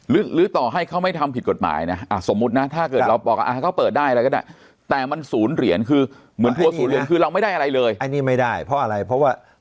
หรือต่อให้เขาไม่ทำผิดกฎหมายนะสมมุตินะถ้าเกิดเราบอกเขาเปิดได้อะไรก็ได้แต่มันศูนย์เหรียญคือเหมือนทัวร์ศูนยนคือเราไม่ได้อะไรเลยอันนี้ไม่ได้เพราะอะไรเพราะว่า